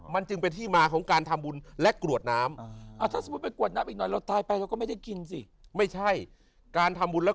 มันจึงเป็นที่มาของการทำบุญและกรวดน้ำ